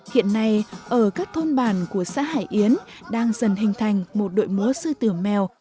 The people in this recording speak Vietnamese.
hiện nay ở các thôn bản của xã hải yến đang dần hình thành một đội múa sư tử mèo